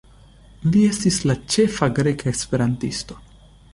Li estis la ĉefa greka esperantisto.